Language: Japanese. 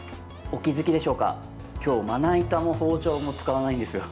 お気づきでしょうか今日、まな板も包丁も使わないんですよ。